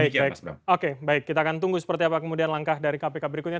baik baik oke baik kita akan tunggu seperti apa kemudian langkah dari kpk berikutnya